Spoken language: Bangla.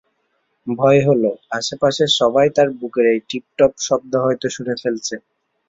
ভয় হল, আশপাশের সবাই তার বুকের এই টিপটপ শব্দ হয়তো শুনে ফেলছে।